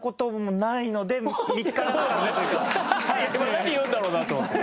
今何言うんだろうなと思って。